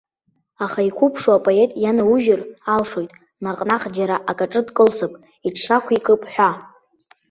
Аха иқәыԥшу апоет ианаужьыр алшоит, наҟнаҟ џьара акаҿы дкылсып, иҽшьақәикып ҳәа.